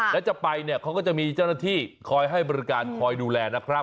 แล้วจะไปเนี่ยเขาก็จะมีเจ้าหน้าที่คอยให้บริการคอยดูแลนะครับ